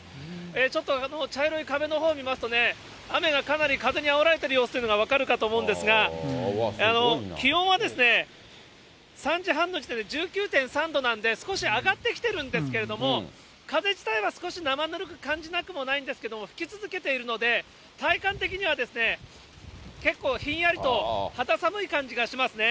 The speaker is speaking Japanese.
ちょっと茶色い壁のほう見ますとね、雨がかなり風にあおられている様子というのが分かるかと思うんですが、気温は３時半の時点で１９．３度なんで、少し上がってきてるんですけど、風自体は少し生ぬるく感じなくはないんですけど、吹き続けているので、体感的には結構ひんやりと肌寒い感じがしますね。